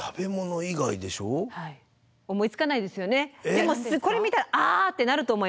でもこれ見たら「ああ！」ってなると思います。